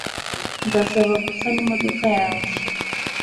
nzabasaba gusana imodoka yanjye